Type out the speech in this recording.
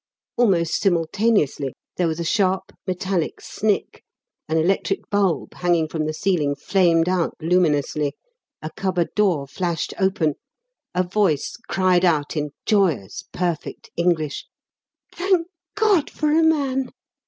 Almost simultaneously there was a sharp metallic "snick," an electric bulb hanging from the ceiling flamed out luminously, a cupboard door flashed open, a voice cried out in joyous, perfect English: "Thank God for a man!"